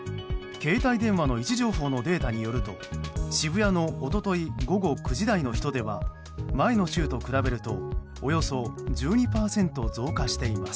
携帯電話の位置情報のデータによると渋谷の一昨日午後９時台の人出は前の週と比べるとおよそ１２％増加しています。